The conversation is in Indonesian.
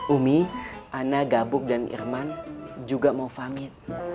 umi ana gabuk dan irman juga mau pamit